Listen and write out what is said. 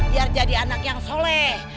biar jadi anak yang soleh